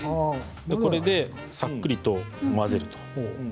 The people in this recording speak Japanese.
これでさっくりと混ぜる。